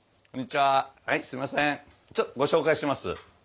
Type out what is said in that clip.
ちょっとご紹介します。